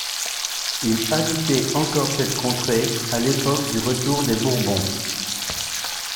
Il habitait encore cette contrée à l'époque du retour des Bourbons.